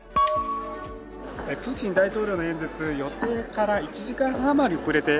プーチン大統領の演説、予定から１時間半あまり遅れて、。